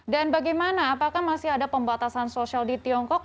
dan bagaimana apakah masih ada pembatasan sosial di tiongkok